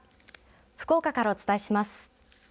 福岡からお伝えします。